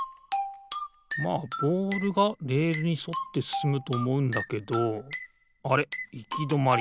まあボールがレールにそってすすむとおもうんだけどあれっいきどまり。